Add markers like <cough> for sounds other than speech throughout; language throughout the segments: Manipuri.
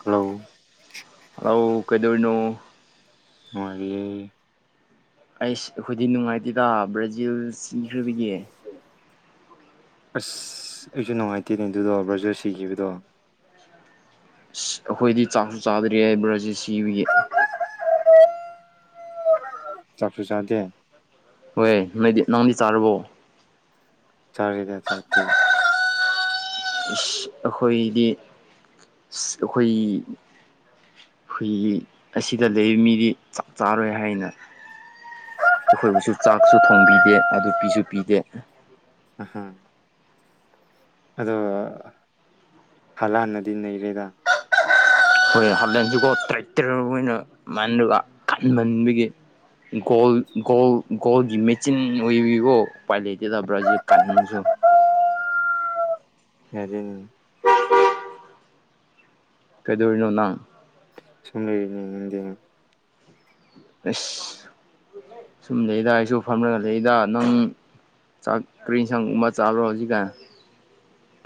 ꯀꯂꯧ ꯑꯧ ꯀꯩꯗꯧꯅꯣ ꯃꯔꯤ ꯑꯩꯁ ꯍꯨꯗꯤ ꯅꯨꯡꯉꯥꯏꯇꯦꯗ ꯕ꯭ꯔꯥꯖꯤꯜ ꯁꯤꯈ꯭ꯔꯤꯕꯒꯦ ꯑꯁ ꯑꯩꯁꯨ ꯅꯨꯡꯉꯥꯏꯇꯦꯅꯦ ꯑꯗꯨꯗꯣ ꯕ꯭ꯔꯥꯖꯔ ꯁꯤꯈꯤꯕꯗꯣ ꯑꯩꯈꯣꯏꯗꯤ ꯆꯥꯛꯁꯨ ꯆꯥꯗ꯭ꯔꯤ ꯍꯥꯏꯕ꯭ꯔꯥꯁꯤ ꯁꯤꯕꯒꯤ ꯆꯞꯁꯨ ꯆꯥꯗꯦ ꯍꯣꯏ ꯅꯣꯏꯗꯤ ꯅꯪꯗꯤ ꯆꯥꯨꯔꯕꯣ ꯆꯔꯔꯤꯗ ꯆꯥꯛꯇ ꯑꯩꯈꯣꯏꯗꯤ ꯑꯩꯈꯣꯏ ꯍꯨꯏ ꯑꯁꯤꯗ ꯂꯩ ꯃꯤꯗꯤ ꯆꯞ ꯆꯥꯔꯣꯏ ꯍꯥꯏꯅ ꯑꯩꯈꯣꯏꯕꯨꯁꯨ ꯆꯥꯛꯁꯨ ꯊꯣꯡꯕꯤꯗꯦ ꯑꯗꯨ ꯄꯤꯁꯨ ꯄꯤꯗꯦ ꯑꯍ ꯑꯗꯣ ꯍꯂꯥꯟꯅꯗꯤ ꯅꯩꯔꯦꯗ ꯑꯩꯈꯣꯏ ꯍꯂꯦꯟꯁꯤꯀꯣ ꯇ꯭ꯔꯦꯛꯇꯔꯅ ꯑꯗꯨꯃꯅꯗꯨ ꯈꯟꯃꯟꯕꯒꯤ ꯒꯣꯜ ꯒꯣꯜ ꯒꯣꯜꯒꯤ ꯃꯦꯆꯤꯟ ꯑꫭꯏ ꯎꯏ ꯑꯣ ꯎꯄꯥꯏ ꯂꯩꯇꯦꯗꯥ ꯕ꯭ꯔꯥꯖꯤꯜ ꯀꯥꯅꯤꯡꯉꯁꯨ ꯑꯦꯔꯤ ꯀꯩꯗꯣꯅꯣ ꯅꯪ ꯁꯨꯝꯔꯅꯤ ꯏꯗꯤ ꯑꯁ ꯁꯨꯝ ꯂꯩꯗ ꯑꯩꯁꯨ ꯐꯝꯂꯒ ꯂꯩꯗ ꯅꯪ ꯆꯥꯛꯀꯔꯤ ꯁꯪꯒꯨꯝꯕ ꯆꯥꯂꯣ ꯍꯧꯖꯤꯛꯒ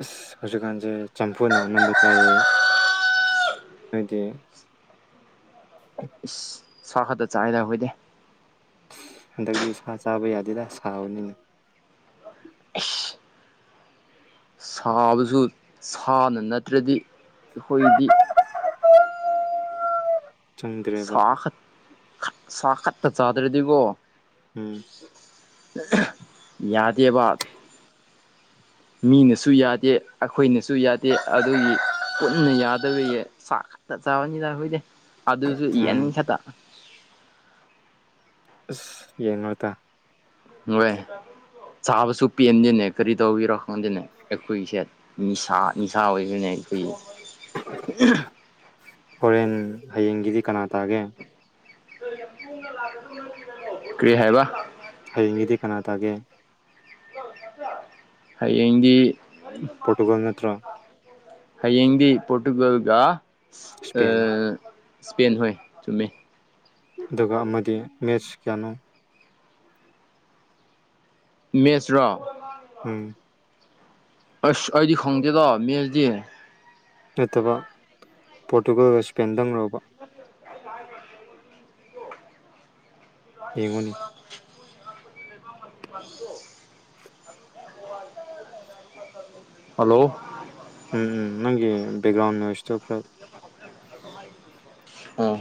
ꯑꯁ ꯍꯧꯖꯤꯛꯀꯥꯟꯁꯦ ꯆꯝꯐꯨꯅꯅꯥ ꯅꯝꯕ ꯆꯥꯏꯌꯦ ꯍꯥꯏꯠꯇ ꯏꯁ ꯁ꯭ꯈꯠꯇ ꯆꯥꯗ ꯑꯣꯏꯣꯏꯗꯦ ꯍꯟꯗꯛꯇꯤ ꯁꯥ ꯆꯥꯕ ꯌꯥꯗꯦꯗ ꯁꯥꯕꯅꯤꯅ ꯁꯥꯕꯁꯨ ꯁꯥꯅ ꯅꯠꯇ꯭ꯔꯗꯤ ꯑꯩꯈꯣꯏꯗꯤ ꯆꯪꯗ꯭ꯔꯦꯕ ꯁꯥ ꯈꯛ ꯁꯥ ꯈꯛꯇ ꯆꯥꯗ꯭ꯔꯗꯤꯀꯣ ꯎꯝ ꯌꯥꯗꯕ ꯃꯤꯅꯁꯨ ꯌꯥꯗꯦ ꯑꯩꯈꯣꯏꯅꯁꯨ ꯌꯥꯗꯦ ꯑꯗꯨꯒꯤ ꯄꯨꯟꯅ ꯌꯥꯗꯕ ꯆꯥꯛ ꯆꯥꯕꯅꯤꯗ ꯍꯨꯏꯗꯦ ꯑꯗꯨꯁꯨ ꯎꯝ ꯏꯔꯅꯤ ꯈꯛꯇ ꯑ ꯌꯦꯟꯇ ꯃꯣꯏꯦ ꯆꯥꯕꯁꯨ ꯄꯦꯟꯗꯦꯅꯦ ꯀꯔꯤ ꯇꯧꯕꯤꯔꯣ ꯈꯪꯗꯦꯅꯦ ꯑꯩꯈꯣꯏꯁꯦ ꯅꯤꯁꯥ ꯅꯤꯁꯥ ꯑꯣꯏꯦ ꯅꯥꯏ ꯍꯡꯗꯤ ꯀꯅꯥꯇꯑꯒꯦ ꯀꯔꯤ ꯍꯥꯏꯕ ꯍꯌꯦꯡꯗꯤ ꯀꯅꯥ ꯇꯒꯦ ꯍꯌꯦꯡꯗꯤ ꯄꯣꯣꯔꯇꯨꯒꯜ ꯅꯠꯇ꯭ꯔ ꯍꯌꯦꯡꯤ ꯄꯠꯀꯒꯥ ꯑ ꯏꯁꯄꯦꯟ ꯏꯁꯄꯦꯟ ꯍꯣꯏ ꯆꯨꯝꯃꯦ ꯑꯗꯨꯒ ꯑꯃꯗꯤ ꯃꯦꯠꯆ ꯀꯌꯥꯅꯣ ꯃꯦꯁ꯭ꯔꯣ ꯎꯝ ꯑꯁ ꯑꯩꯗꯤ ꯈꯪꯗꯦꯗꯣ ꯃꯦꯁꯗꯤ ꯅꯠꯇꯕ ꯄꯣꯔꯇꯨꯒꯜꯒ ꯏꯁꯄꯦꯟꯗꯪ ꯂꯕ ꯌꯦꯡꯉꯣꯅꯤ ꯋꯥꯠꯇ ꯍꯜꯂꯣ ꯎꯝ ꯎꯝ ꯅꯪꯒꯤ ꯕꯦꯛꯒ꯭ꯔꯥꯎꯟ ꯅꫭꯏꯁꯇꫭ ꯈꯔ ꯑꫭ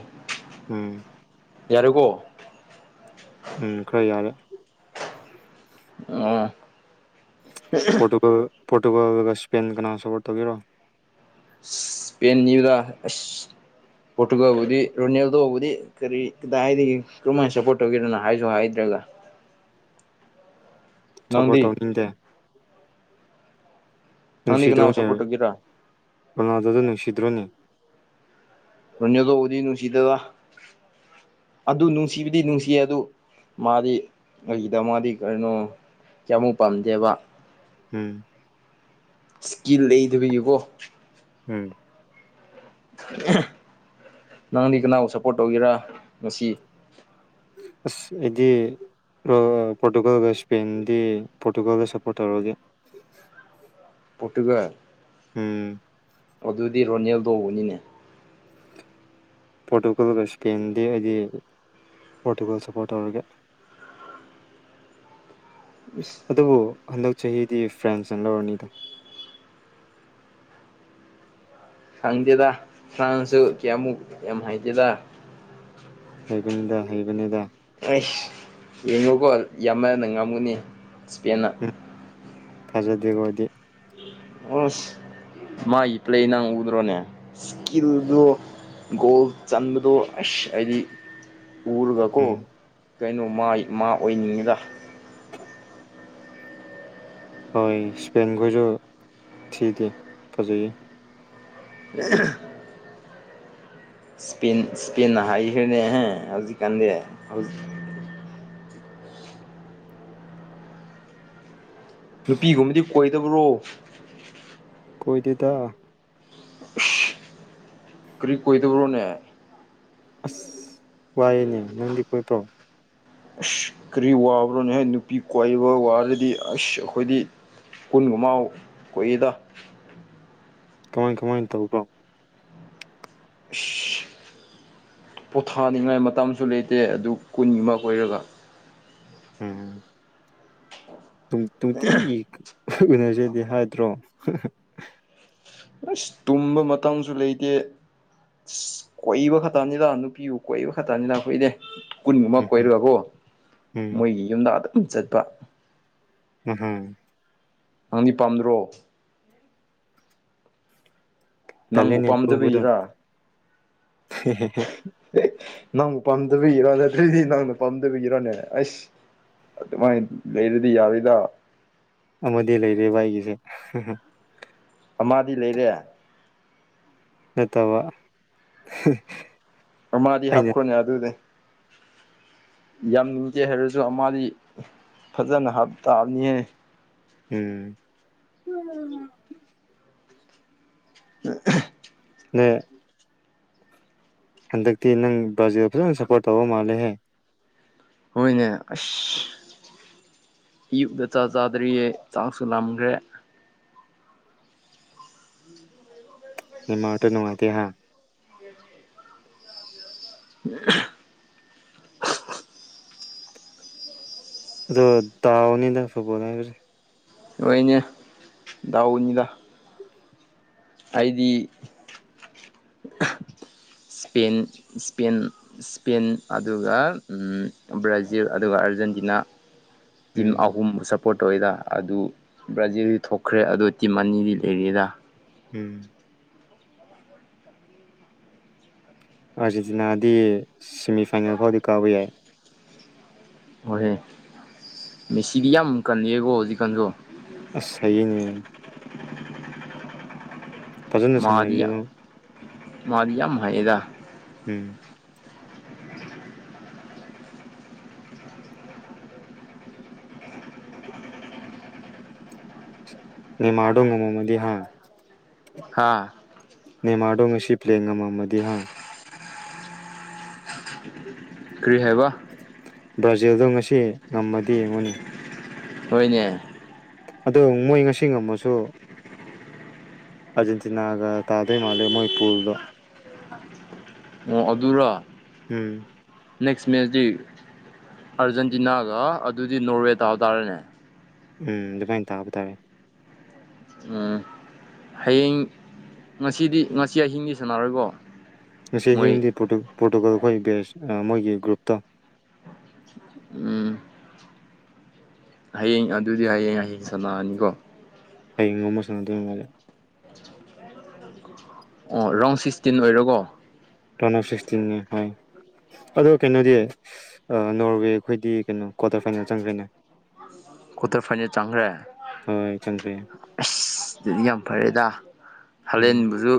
ꯎꯝ ꯌꯥꯔꯦꯀꫭ ꯎꯝ ꯈꯔ ꯌꯥꯔꯦ ꯑꯣ ꯄꯣꯔꯇꯨꯒꯜꯒ ꯏꯁꯄꯦꯟ ꯀꯅꯥ ꯁꯄꯣꯔꯠ ꯇꯧꯕꯤꯔꯣ ꯁꯄꯦꯅꯤꯗ ꯄꯣꯔꯇꯨꯒꯕꯨꯗꯤ ꯔꯣꯅꯦꯜꯗꯣꯕꯨꯗꯤ ꯀꯔꯤ ꯀꯗꯥꯏꯗꯒꯤ ꯀꯔꯝꯍꯥꯏꯅ ꯁꯞꯄꯣꯔꯠ ꯇꯧꯒꯗꯅꯣ ꯍꯥꯏꯁꯨ ꯍꯥꯏꯗ꯭ꯔꯒ ꯁꯄ ꯅꯪꯗꯤ ꯇꯥꯎꯅꯤꯡꯗ ꯅꯪꯗꯤ ꯀꯅꯥꯕꯨ ꯅꯨꯡꯁꯤꯗ꯭ꯔꯣꯅꯦ ꯁꯞꯄꯣꯔꯠ ꯇꯧꯒꯦꯔꯥ ꯔꯣꯅꯥꯗꯣꯗ ꯅꯨꯡꯁꯤꯗ꯭ꯔꯣꯅꯦ ꯔꫭꯅꯦꯜꯗꫭꯕꯨꯗꯤ ꯅꯨꯡꯁꯤꯗꯦꯗ <unintelligible> ꯑꯗꯨ ꯅꯨꯡꯁꯤꯕꯗꯤ ꯅꯨꯡꯁꯤꯌꯦ ꯑꯗꯨ ꯃꯥꯗꯤ ꯀꯒꯤꯗ ꯃꯥꯗꯤ ꯀꯔꯤꯅꯣ ꯀꯌꯥꯃꯨꯛ ꯄꯥꯝꯗꯦꯕ ꯎꯝ ꯏꯁꯀꯤꯜ ꯂꯩꯗꯕꯤꯒꯤꯀꯣ ꯎꯝ ꯅꯪꯗꯤ ꯀꯅꯥꯕꯨ ꯁꯞꯄꯣꯔꯠ ꯇꯧꯒꯦꯔꯥ ꯉꯁꯤ ꯑꯁ ꯑꯩꯗꯤ ꯄꯣꯣꯔꯇꯨꯒꯜꯒ ꯁꯄꯟꯗꯤ ꯄꯣꯣꯔꯇꯨꯒꯜꯗ ꯁꯄꯣꯔꯠꯔꯒꯦ ꯄꯣꯠꯒ ꯎꯝ ꯑꯗꯨꯗꯤ ꯔꯣꯅꯦꯜꯗ ꯎꯧꯕꯅꯤꯅꯦ ꯄꯣꯔꯇꯨꯒꯜꯒ ꯏꯁꯄꯦꯟꯗꯤ ꯑꯩꯗꯤ ꯄꯣꯔꯇꯨꯒꯜ ꯁꯄꯣꯔꯠ ꯇꯧꯔꯒꯦ ꯏꯁ <unintelligible> ꯑꯗꯨꯕꯨ ꯍꯟꯗꯛ ꯆꯍꯤꯗꯤ ꯐ꯭ꯔꯦꯟꯁꯅ ꯂꯧꯔꯅꯤꯗ ꯈꯪꯗꯦꯗ ꯐꯥꯟꯁꯨ ꯀꯌꯥꯃꯨꯛ ꯌꯥꯝ ꯍꯥꯏꯗꯦꯗ ꯍꯩꯕꯅꯤꯗ ꯍꯩꯕꯅꯤꯗ ꯌꯦꯡꯉꯨꯀꯣ ꯌꯥꯝꯃꯅ ꯉꯝꯒꯅꯤ ꯏꯁꯄꯦꯟꯅ ꯐꯖꯗꯦꯀꯣꯗꯤ ꯑꯁ ꯃꯥꯒꯤ ꯄ꯭ꯂꯦ ꯅꯪ ꯎꯗ꯭ꯔꯣꯅꯦ ꯏꯁꯀꯤꯜꯗꯣ ꯒꯣꯜ ꯆꯟꯕꯗꯣ ꯑꯁ ꯍꯥꯏꯗꯤ ꯎꯔꯒꯀꯣ ꯎꯝ ꯀꯩꯅꯣ ꯃꯥꯏ ꯃꯥ ꯑꯣꯏꯅꯤꯡꯉꯤꯗ ꯍꯣꯏ ꯏꯁꯄꯦꯟꯈꯣꯏꯁꯨ ꯊꯤꯗꯦ ꯐꯖꯩꯌꯦ ꯑ ꯏꯁ ꯏꯁꯄꯤꯟꯅ ꯍꯥꯏꯈꯦꯅꯦꯍꯦ ꯍꯧꯖꯤꯛꯀꯥꯟꯗꯤ ꯍꯧꯖꯤꯛ ꯅꯨꯄꯤꯒꯨꯝꯕꯗꯤ ꯀꯣꯏꯗꯕ꯭ꯔꯣ ꯀꯣꯏꯗꯗ ꯀꯔꯤ ꯀꯗꯕꯔꯣꯅꯦ ꯑꯁ ꯋꯥꯏꯌꯦꯅꯦ ꯅꯪꯗꯤ ꯀꯣꯏꯕ꯭ꯔꯣ ꯑꯁ ꯀꯔꯤ ꯋꯥꯕ꯭ꯔꯣꯅ ꯍꯥꯏ ꯅꯨꯄꯤ ꯀꯣꯏꯏꯕ ꯋꯥꯔꯗꯤ ꯑꯁ ꯑꯩꯈꯣꯏꯗꯤ ꯀꯨꯟꯒꯃꯥꯎ ꯑꯣꯏꯗ ꯀꯃꯥꯏ ꯀꯃꯥꯏꯅ ꯇꯧꯕ ꯑꯁ ꯄꯣꯊꯥꯅꯤꯡꯉꯥꯏ ꯃꯇꯝꯁꯨ ꯂꯩꯇꯦ ꯑꯗꯨ ꯀꯨꯟ ꯑꯃ ꯀꯣꯏꯔꯒ ꯎꯝ ꯅꯨꯡꯇꯤꯒꯤ ꯑꯣꯏꯅꯅꯁꯦꯗꯤ ꯍꯥꯏꯗ꯭ꯔꯣ ꯑꯁ ꯇꯨꯝꯕ ꯃꯇꯥꯡꯁꯨ ꯂꯩꯇꯦ ꯑ ꯀꯣꯏꯕ ꯈꯛꯇꯅꯤ ꯂꯥꯛ ꯅꯨꯄꯤꯕꯨ ꯀꯣꯏꯕ ꯈꯛꯇꯅꯤ ꯂ ꯀꯨꯏꯅꯦꯦ ꯀꯨꯟꯒꯨꯝꯕ ꯎꯝ ꯍꯝ ꯀꯣꯏꯔꯒꯀꯣ ꯎꯝ ꯃꯣꯏꯒꯤ ꯌꯨꯝꯗ ꯑꯗꯨꯝ ꯆꯠꯄ ꯎꯝ ꯍꯝ ꯅꯪꯗꯤ ꯄꯥꯝꯗ꯭ꯔꯣ ꯅꯪꯕꯨ ꯇꯜꯂꯦꯅꯦ ꯑꯗꯨꯒꯨꯝꯕꯗꯣ ꯄꯥꯝꯗꯕꯤꯔꯥ <unintelligible> ꯅꯪꯕꯨ ꯄꯥꯝꯗꯕꯒꯤꯔꯣ ꯅꯠꯇ꯭ꯔꯗꯤ ꯅꯪꯅ ꯄꯥꯝꯗꯕꯒꯤꯔꯣꯅꯦꯅꯦ ꯑꯩꯁ ꯑꯗꯨꯃ ꯂꯩꯔꯗꯤ ꯌꯥꯔꯗ ꯑꯃꯗꯤ ꯂꯩꯔꯦꯕ ꯑꯩꯒꯤꯁꯦ ꯑꯃꯗꯤꯗꯤ ꯂꯩꯔꯦ ꯅꯇꯕ ꯑꯃꯥꯗꯤ ꯍꯥꯞꯈꯣꯟ ꯌꯥ ꯑꯗꯨꯗ <unintelligible> ꯌꯥꯝ ꯅꯤꯡꯖꯦ ꯍꯥꯏꯔꯁꯨ ꯃꯥꯗꯤ ꯐꯖꯅꯞ ꯇꯥꯕꯅꯤꯍ ꯎꯝ ꯑ ꯅ ꯍꯟꯗꯛꯇꯤ ꯅꯪ ꯕ꯭ꯔꯥꯖꯤꯜꯗ ꯐꯖꯅ ꯁꯞꯄꯣꯔꯠ ꯇꯧꯕ ꯃꯥꯜꯂꯦꯍꯦ ꯍꯅꯦ ꯑꯁ ꯑꯌꯨꯛꯗ ꯆꯥ ꯆꯥꯗꯔꯤꯌꯦ ꯆꯥꯛꯁꯨꯂꯝꯈ꯭ꯔꯦ ꯎꯝ ꯅꯤꯡꯃ ꯃꯥꯇ ꯅꯅꯨꯡꯉꯥꯏꯇ ꯍꯥ ꯌꯦꯁ ꯎ ꯑꯗꯨꯣ ꯇꯑꯣꯅꯤꯗꯣꯂ ꯐ ꯑꯣꯏ ꯏ ꯎꯅꯤꯗ ꯑꯩꯗꯤ ꯏꯁꯄꯦꯟ ꯏꯁꯄꯦꯟ ꯏꯁꯄꯦꯟ ꯑꯗꯨꯒ ꯕ꯭ꯔꯥꯖꯤꯜ ꯑꯗꯨꯒ ꯑ ꯖꯦꯟꯗꯤ ꯇꯤꯝ ꯎꯝ ꯑꯍꯨꯝꯁ ꯏꯁꯄꯣꯔꯠꯇ ꯑꯣꯏꯗ ꯑꯗꯨ ꯕ꯭ꯔꯥꯖꯤꯜꯗꯤ ꯊꯣꯛꯈ꯭ꯔꯦ ꯑꯗꯨ ꯇꯤꯝ ꯑꯅꯤꯗꯤ ꯂꯩꯔꯤꯗ ꯎꯝ ꯑꯥꯔꯖꯦꯟꯇꯤꯅꯥꯗꯤ ꯁꯦꯃꯤꯐꯥꯏꯅꯦꯜ ꯐꯥꯎꯗꯤ ꯀꯥꯕ ꯌꯥꯏ ꯍꯣꯏꯍꯣꯏ ꯃꯦꯁꯤꯗꯤ ꯌꯥꯝ ꯀꯜꯂꯤꯌꯦꯀꯣ ꯍꯧꯖꯤꯛꯀꯥꯟꯁꯨ ꯑ ꯌꯦꯅꯦ ꯐꯖꯗ ꯁꯅꯔꯤꯕ ꯃꯥꯔꯤ ꯌꯥꯝ ꯍꯥꯏꯩꯗ ꯎꯝ ꯅ ꯃꯥꯣ ꯉ ꯃꯃꯗꯤ ꯍꯥ ꯍꯥꯥ ꯅꯦꯃꯥꯗꯣ ꯉꯁꯤ ꯄ꯭ꯂꯦ ꯉꯃ ꯃꯗꯤ ꯍꯥꯥ ꯀꯔꯤ ꯍꯥꯏꯕ ꯕ꯭ꯔꯥꯖꯤꯜꯗꯣ ꯉꯁꯤ ꯉꯝꯃꯗꯤ ꯌꯦꯡꯉꯨꯅꯤ ꯍꯅꯦ ꯑꯗꯣ ꯃꯣꯏ ꯉꯁꯤꯃꯨ ꯑꯔꯖꯦꯟꯇꯤꯅꯥꯒ ꯇꯥꯗꯣꯏ ꯃꯥꯜꯂꯦ ꯃꯣꯏꯄꯨꯔꯗꯣ ꯑꯣ ꯑꯗꯨꯔ ꯎꯝ ꯅꯦꯛꯁ ꯃꯦꯠꯁꯇꯤ ꯑꯥꯔꯖꯦꯟꯇꯤꯅꯥꯒ ꯑꯗꯨꯗꯤ ꯅꯣꯔꯋꯦꯗꯥꯇꯥꯔꯦꯅꯦ ꯎꯝ ꯑꯗꯨꯃꯥꯏꯅ ꯇꯥꯕ ꯇꯥꯔꯦ ꯎꯝ ꯍꯌꯦꯡ ꯉꯁꯤꯗꯤ ꯉꯁꯤ ꯑꯍꯤꯡꯗꯤ ꯁꯥꯟꯅꯔꯣꯏꯕꯣ ꯁ ꯍꯤꯟꯗꯤ ꯐꯣ ꯐꯣꯇꯣꯜ ꯑꯩꯈꯣꯏ ꯕꯦꯁ ꯃꯣꯏꯒꯤ ꯒ꯭ꯔꯨꯞꯇꯣ ꯎꯝ ꯍꯌꯦꯡ ꯑꯗꯨꯗꯤ ꯍꯌꯦꯡ ꯍꯤꯡ ꯆꯂꯛꯑꯅꯤꯀꯣ ꯍꯌꯦꯡ ꯉ ꯃ ꯁꯅ ꯇꯉꯔꯦ ꯑꯣ ꯔꯥꯎꯟ ꯁꯤꯛꯁꯇꯤꯟ ꯑꯣꯏꯔꯔꯕꯣ ꯇꯅ ꯁꯁꯇꯤꯟ ꯍ ꯑꯗꯣ ꯀꯩꯅꯣꯗꯤ ꯅꯣꯔꯋꯦ ꯑꯩꯈꯣꯏꯗꯤ ꯀꯩꯅꯣ ꯀ꯭ꯋꯥꯇꯔ ꯐꯥꯏꯅꯦꯜ ꯆꯪꯈ꯭ꯔꯦꯅꯦ ꯀ꯭ꯋꯥꯇꯔ ꯐꯥꯏꯅꯜ ꯆꯪꯈ꯭ꯔꯦ ꯍꯣꯏ ꯆꯪꯈ꯭ꯔꯦ ꯑꯁ ꯑꯗꯨꯗꯤ ꯌꯥꯝ ꯐꯔꯦꯗ ꯎꯝ ꯍꯂꯦꯟꯕꯨꯁꯨ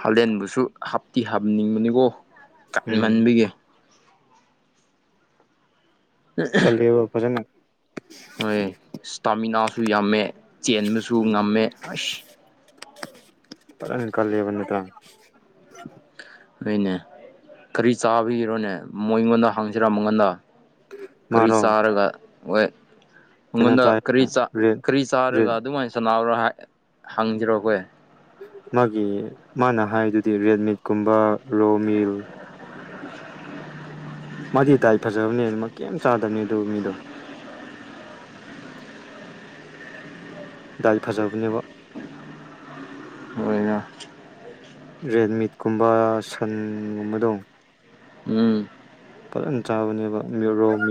ꯍꯥꯂꯦꯟꯕꯨꯁꯨ ꯍꯥꯞꯇꯤ ꯍꯥꯞꯅꯤꯡꯕꯅꯤꯀꯣ ꯎꯝ ꯀꯟꯃꯟꯕꯤꯒꯦ ꯀꯂꯕ ꯐꯖꯅ ꯁꯨ ꯌꯥꯝꯃꯦ ꯆꯦꯟꯕꯁꯨ ꯉꯝꯃꯦ ꯑꯁ ꯄꯔꯪ ꯀꯂꯦꯕ ꯅꯨꯗ ꯅꯣꯏꯅꯦ ꯀꯔꯤ ꯆꯥꯕꯤꯔꯣꯅꯦ ꯃꯣꯏ ꯑꯩꯉꯣꯟꯗ ꯍꯥꯡꯁꯤꯔꯥ ꯃꯉꯣꯟꯗ ꯃꯥꯔꯣ ꯀꯔꯤꯁꯥꯔꯒ ꯑꯣꯏ ꯀꯩꯅꯣ ꯑꯩꯉꯣꯟꯗ ꯆꯥꯏ ꯀꯔꯤ ꯔꯦꯠ ꯀꯔꯤ ꯆꯥꯔꯒ ꯔꯦꯠ ꯑꯗꯨꯃꯥꯏꯅ ꯁꯥꯟꯅꯥꯎꯔ ꯍꯪꯖꯔꯣꯈꯣꯏ ꯃꯥꯒꯤ ꯃꯥꯅ ꯍꯥꯏꯗꯨꯗꯤ ꯔꯦꯠ ꯃꯤꯠꯀꯨꯝꯕ ꯔꯣ ꯃꯤꯜ ꯃꯥꯗꯤ ꯗꯥꯥꯏ ꯐꯖꯕꯅꯦ ꯑꯗꯨꯃꯛ ꯀꯩꯝ ꯆꯥꯗꯕꯅꯤ ꯑꯗꯨ ꯃꯤꯗꯣ ꯗꯥꯏ ꯐꯖꯕꯅꯦꯕ ꯍꯣꯏꯅ ꯔꯦꯗꯃꯤꯠꯀꯨꯝꯕ ꯁꯟꯒꯨꯝꯕꯗꯣ ꯎꯝ ꯄꯠꯂꯂꯝ ꯆꯥꯕꯅꯦꯕ ꯃꯔꯣ ꯃꯨ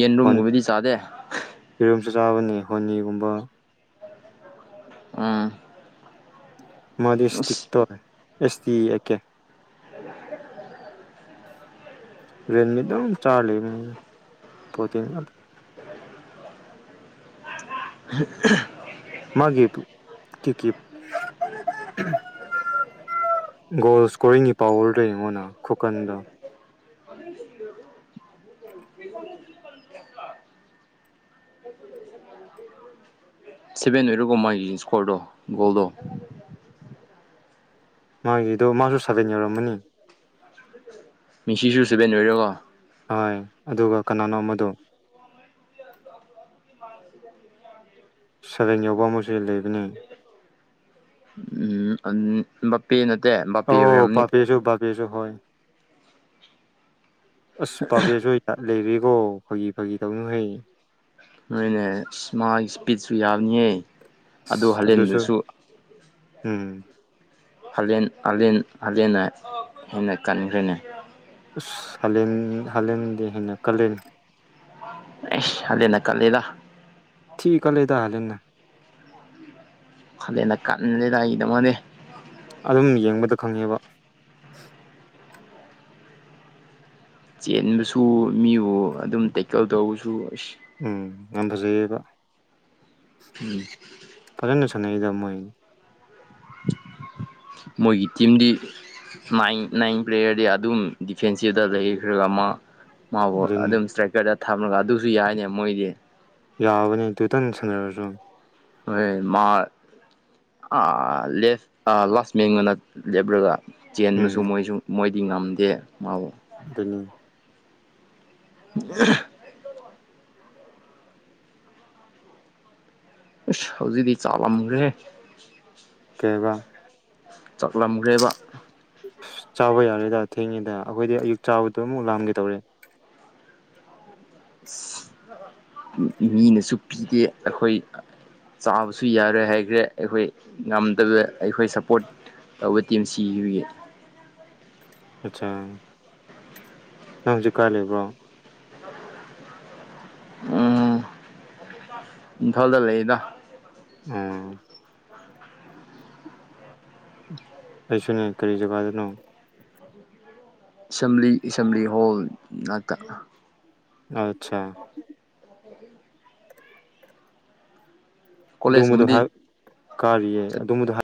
ꯌꯦꯟꯔꯨꯝꯒꯨꯝꯕꯗꯤ ꯆꯥꯗꯦ ꯆꯥꯕꯅꯤ ꯍꯣꯅꯤꯒꯨꯝꯕ ꯑꯝ ꯃꯥ ꯏꯁꯇꯤꯛꯇꯣ ꯑꯦꯁ ꯇꯤ ꯑꯦ ꯀꯦ ꯔꯃꯤꯗ ꯆꯥ ꯂꯩ ꯄꯣꯆꯤꯟꯗ ꯃꯥꯒꯤꯦ ꯀ ꯒꯣꯜ ꯏꯁꯀꯣꯔꯤꯡꯒꯤ ꯄꯋꯔꯗ ꯑꯩꯉꯣꯟꯗ ꯈꯨꯀꯟꯗ ꯁꯚꯦꯟ ꯑꯣꯏꯔꯨꯀꯣ ꯃꯥꯒꯤ ꯏꯁꯀꯣꯔꯗꯣ ꯒꯣꯜꯗꯣ ꯃꯥꯒꯤꯗꯣ ꯃꯥꯁꯨ ꯁꯥꯕꯦꯟ ꯌꯧꯔꯝꯃꯅꯤ ꯃꯤꯁꯤꯁꯨ ꯁꯕꯦꯟ ꯑꯣꯏꯔꯀꯣ ꯍꯣꯏ ꯑꯗꯨꯒ ꯀꯅꯥꯅꯣ ꯃꯗꯣ ꯁꯕꯦꯡ ꯌꯥꯎꯕ ꯑꯃꯁꯨ ꯂꯩꯕꯅꯤ ꯎꯝꯝ ꯃꯄꯦꯅ ꯑꯣ ꯄꯕꯤꯁꯨ ꯄꯕꯤꯁꯨ ꯍꯣꯏ ꯑꯁ ꯄꯕꯁꯨꯣꯏ ꯂꯩꯔꯦꯀꯣ ꯐꯥꯒꯤ ꯐꯥꯒꯤ ꯇꯧꯅꯨ ꯍꯩ ꯅꯣꯏꯅꯦ ꯃꯥꯒꯤ ꯏꯁꯄꯤꯠꯁꯨ ꯌꯥꯕꯅꯤꯌꯦ ꯑꯗꯨ ꯍꯜꯂꯦꯟꯕꯁꯨ ꯍꯝ ꯍꯥꯂꯦꯟ ꯍꯂꯦꯟ ꯍꯥꯂꯦꯟꯅ ꯍꯦꯟꯅ ꯀꯟꯈ꯭ꯔꯦꯅꯦ ꯑꯁꯂꯦꯟ ꯍꯥꯜꯂꯦꯟꯗꯦ ꯍꯥꯏꯦꯟꯅ ꯀꯂꯅꯤ ꯑꯂꯦꯅ ꯀꯂꯦꯗ ꯊꯤ ꯀ ꯂꯩꯗꯂꯦꯅ ꯈꯂꯦꯟꯅ ꯀꯟꯦꯗ ꯑꯩꯒꯤꯗꯃꯅꯦ ꯑꯗꯨꯝ ꯌꯦꯡꯕꯗ ꯈꯪꯉꯦꯕ ꯆꯦꯟꯕꯁꯨ ꯃꯤꯕꯨ ꯑꯗꯨꯝ ꯇꯦꯛꯀꯜ ꯇꯧꯕꯁꯨ ꯎꯝ ꯌꯥꯝ ꯐꯖꯩꯌꯦꯕ ꯎꯝ ꯐꯖꯅꯁꯅꯗ ꯃꯣꯏ ꯃꯣꯏꯒꯤ ꯇꯤꯝꯗꯤ ꯅꯥꯏꯟ ꯅꯥꯏꯟ ꯄ꯭ꯂꯦꯌꯔꯗꯤ ꯑꯗꯨꯝ ꯗꯤꯐꯦꯟꯁꯤꯞꯇ ꯂꯩꯈ꯭ꯔꯒ ꯑꯃ ꯃꯥꯕꯨ ꯑꯗꯨꯅꯤ ꯑꯗꯨꯝ ꯏꯁꯇ꯭ꯔꯥꯏꯀꯔꯗ ꯊꯝꯂꯒ ꯑꯗꯨꯁꯨ ꯌꯥꯏꯅꯦ ꯃꯣꯏꯗꯤ ꯌꯥꯕꯅꯦ ꯇꯇꯟ ꯁꯥꯟꯅꯔꯁꯨ ꯍꯣꯏ ꯃꯥ ꯑ ꯂ ꯂꯥꯁ ꯃꯡꯕꯅ ꯂꯦꯞꯂꯒ ꯎꯝ ꯆꯦꯟꯕꯁꯨ ꯃꯣꯏꯁꯨ ꯃꯣꯏꯗꯤ ꯉꯝꯗꯦ ꯃꯥꯕꯨ ꯑꯗꯨꯅꯤ <unintelligible> ꯏꯁꯁ ꯍꯧꯖꯤꯛꯇꯤ ꯆꯥꯂꯝꯈ꯭ꯔꯦ ꯑꯣꯏꯕ ꯆꯠꯂꯝꯈ꯭ꯔꯦꯕ ꯑ ꯆꯥꯕ ꯌꯥꯔꯦꯗ ꯊꯦꯡꯉꯦꯗ ꯑꯩꯈꯣꯏꯗꯤ ꯑꯌꯨꯛ ꯆꯥꯕꯗꯣ ꯑꯃꯨꯛ ꯂꯥꯝꯒꯦ ꯇꯧꯔꯦ ꯃꯤꯅꯁꯨ ꯄꯤꯗꯦ ꯑꯩꯈꯣꯏ ꯆꯥꯕꯁꯨ ꯌꯥꯔꯣꯏ ꯍꯥꯏꯈ꯭ꯔꯦ ꯑꯩꯈꯣꯏ ꯉꯝꯗꯕ ꯑꯩꯈꯣꯏ ꯁꯞꯄꯣꯔꯠ ꯇꯧꯕ ꯇꯤꯦꯝ ꯁꯤꯗꯨꯒꯤ ꯑꯆꯥ ꯅꯪꯁꯨ ꯀꯥ ꯂꯩꯕ꯭ꯔꯣ ꯎꯝ ꯏꯝꯐꯥꯜꯗ ꯂꯩꯗ ꯑꯥ ꯑꯩꯁꯨ ꯅ ꯀꯔꯤꯖꯒꯥꯗꯅꯣ ꯑꯦꯁꯦꯝꯕ꯭ꯂꯤ ꯑꯦꯁꯦꯝꯕ꯭ꯂꯤ ꯍꯣꯜ ꯉꯥꯛꯇ ꯑꯆꯥ ꯑꯗꯨꯝꯕꯗꯣ ꯀꯣꯂꯦꯖꯀꯨꯝꯕꯗꯤ ꯍꯥꯏ ꯀꯥꯔꯤꯌꯦ ꯆꯠ ꯑꯗꯨꯝꯕꯗꯣ ꯍꯥꯏ